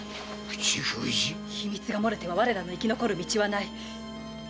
秘密が漏れては我らの生き残る道はない。